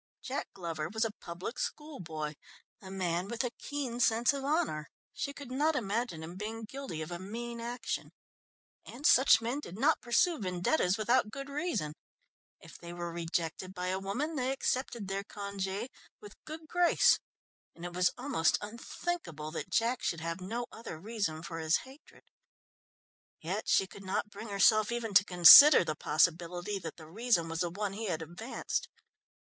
Jack Glover was a public school boy, a man with a keen sense of honour. She could not imagine him being guilty of a mean action. And such men did not pursue vendettas without good reason. If they were rejected by a woman, they accepted their congé with a good grace, and it was almost unthinkable that Jack should have no other reason for his hatred. Yet she could not bring herself even to consider the possibility that the reason was the one he had advanced.